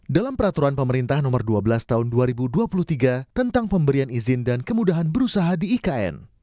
dalam peraturan pemerintah nomor dua belas tahun dua ribu dua puluh tiga tentang pemberian izin dan kemudahan berusaha di ikn